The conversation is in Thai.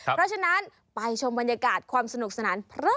เพราะฉะนั้นไปชมบรรยากาศความสนุกสนานเพิ่มกันเลยค่ะ